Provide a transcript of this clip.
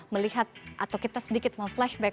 melihat atau kita sedikit mem flashback